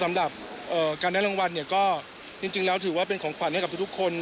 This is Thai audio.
สำหรับการได้รางวัลเนี่ยก็จริงแล้วถือว่าเป็นของขวัญให้กับทุกคน